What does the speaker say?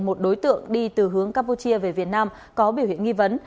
một đối tượng đi từ hướng campuchia về việt nam có biểu hiện nghi vấn